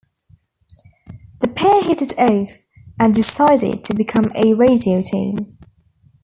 The pair hit it off, and decided to become a radio team.